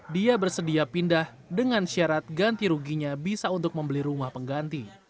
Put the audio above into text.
dia bersedia pindah dengan syarat ganti ruginya bisa untuk membeli rumah pengganti